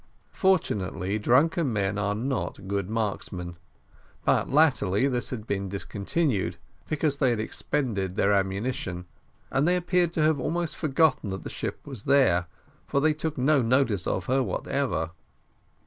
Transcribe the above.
Fortunately drunken men are not good marksmen, but latterly this had been discontinued, because they had expended their ammunition and they appeared to have almost forgotten that the ship was there, for they took no notice of her whatever.